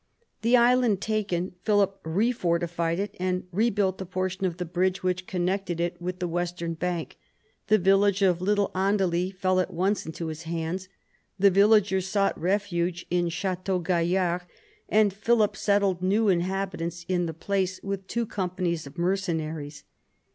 The island taken, Philip refortified it and rebuilt the portion of the bridge which connected it with the western bank. The village of Little Andely fell at once into his hands. The villagers sought refuge in Chateau Gaillard, and Philip settled new inhabitants in the place with two companies of mercenaries.